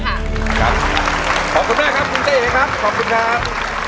ขอบคุณมากครับคุณเต้เองครับขอบคุณครับ